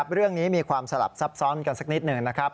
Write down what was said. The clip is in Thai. เรื่องนี้มีความสลับซับซ้อนกันสักนิดหนึ่งนะครับ